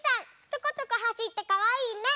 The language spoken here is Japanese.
ちょこちょこはしってかわいいね。